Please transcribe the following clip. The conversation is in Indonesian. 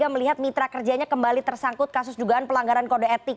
melihat mitra kerjanya kembali tersangkut kasus dugaan pelanggaran kode etik